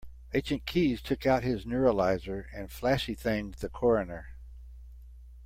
Agent Keys took out his neuralizer and flashy-thinged the coroner.